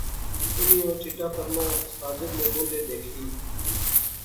انی او چٹا پرنا ساجد نے مونڈھے دیکھی